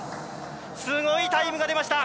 すごいタイムが出ました！